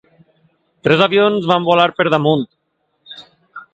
Tres avions van volar per damunt.